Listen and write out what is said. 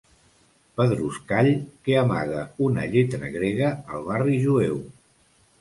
Pedruscall que amaga una lletra grega al barri jueu.